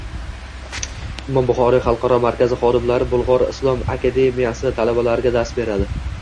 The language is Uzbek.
Imom Buxoriy xalqaro markazi xodimlari Bulgʻor islom akademiyasi talabalariga dars beradi